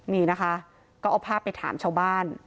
นี่นะคะก็เอาภาพไปถามชาวบ้าน